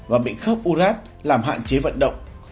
và bệnh khớp uric làm hạn chế vận động